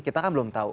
kita kan belum tahu